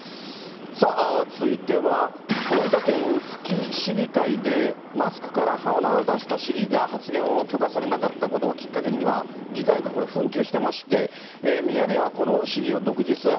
さあ、続いては、大分県臼杵市議会でマスクから鼻を出した市議が発言を許可されなかったことをきっかけに議会が今、紛糾してまして、ミヤネ屋はこの市議を独自取材。